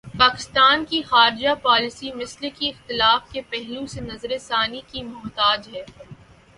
پاکستان کی خارجہ پالیسی مسلکی اختلاف کے پہلو سے نظر ثانی کی محتاج ہے۔